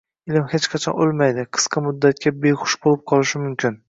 Ilm hech qachon oʻlmaydi, qisqa muddatga behush boʻlib qolishi mumkin.